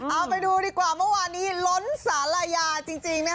โอ้ไปดูดีกว่ามาร์ว่านี้ล้นสลายะจริง